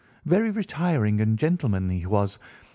Very retiring and gentlemanly he was.